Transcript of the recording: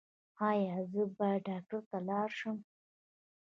ایا زه باید ډاکټر ته لاړ شم؟